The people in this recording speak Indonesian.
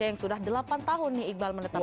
yang sudah delapan tahun nih iqbal menetap itu